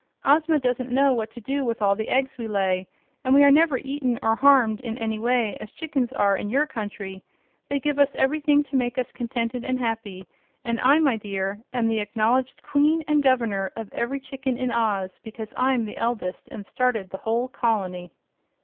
Ozma doesn't know what to do with all the eggs we lay, and we are never eaten or harmed in any way, as chickens are in your country. They give us everything to make us contented and happy, and I, my dear, am the acknowledged Queen and Governor of every chicken in Oz, because I'm the eldest and started the whole colony."